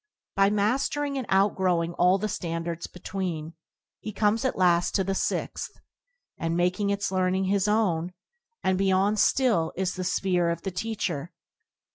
By mastering and out growing all the standards between, he comes at last to the sixth, and makes its learning his own; and beyond still is the sphere of the teacher.